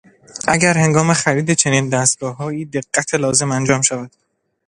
اگر هنگام خرید چنین دستگاههایی، دقّت لازم انجام شود.